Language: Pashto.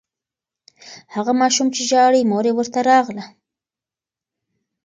هغه ماشوم چې ژاړي، مور یې ورته راغله.